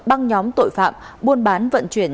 băng nhóm tội phạm buôn bán vận chuyển